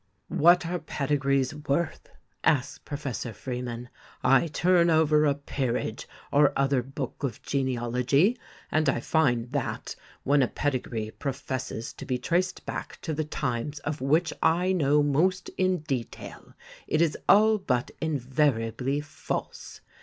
"What are pedigrees worth?" asks Professor Freeman. "I turn over a 'Peerage' or other book of genealogy, and I find that, when a pedigree professes to be traced back to the times of which I know most in detail, it is all but invariably false.